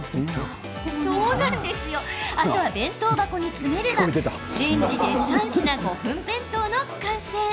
あとは弁当箱に詰めればレンジで３品５分弁当の完成。